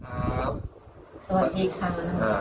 ครับสวัสดีครับ